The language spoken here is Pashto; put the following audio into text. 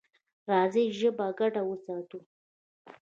راځئ ژبه ګډه وساتو.